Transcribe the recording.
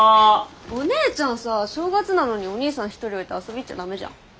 お姉ちゃんさ正月なのにお兄さん一人置いて遊びに行っちゃダメじゃん。